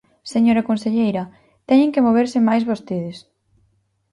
Señora conselleira, ¡teñen que moverse máis vostedes!